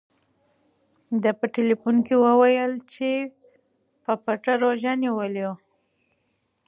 ده په ټیلیفون کې وویل چې په پټه روژه نیولې وه.